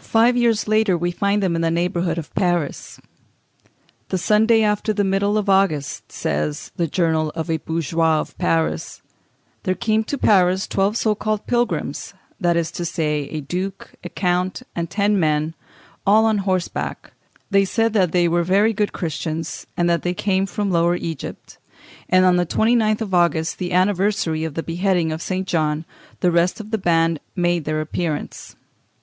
Five years later we find them in the neighbourhood of Paris. "The Sunday after the middle of August," says "The Journal of a Bourgeois of Paris," "there came to Paris twelve so called pilgrims, that is to say, a duke, a count, and ten men, all on horseback; they said that they were very good Christians, and that they came from Lower Egypt; ... and on the 29th of August, the anniversary of the beheading of St. John, the rest of the band made their appearance.